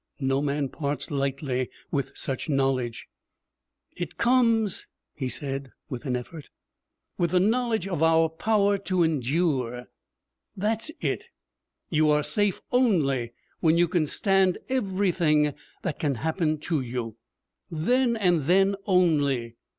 No man parts lightly with such knowledge. 'It comes,' he said, with an effort, 'with the knowledge of our power to endure. That's it. You are safe only when you can stand everything that can happen to you. Then and then only!